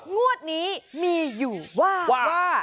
งวดนี้มีอยู่ว่า